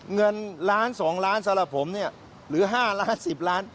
เงินล้านสองล้านสำหรับผมหรือห้าล้านสิบล้าน